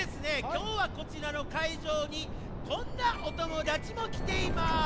きょうはこちらのかいじょうにこんなおともだちもきています。